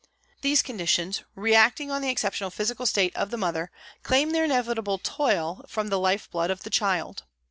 These conditions, reacting on the exceptional physical state of the 128 PRISONS AND PRISONERS mother, claim their inevitable toll from the life blood of the child.